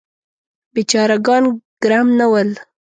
بیچاره ګان ګرم نه ول.